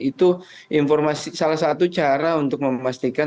itu salah satu cara untuk memastikan